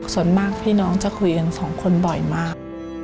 ส่วนมากพี่น้องจะคุยกันสองคนบ่อยมาก